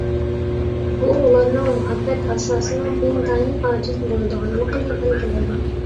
بۇ ئۇلارنىڭ مۇھەببەت ئاساسىنىڭ ئىنتايىن ئاجىز بولىدىغانلىقىنى بەلگىلەيدۇ.